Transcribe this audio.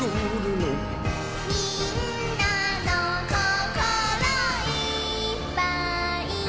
「みんなのココロ」「いっぱい」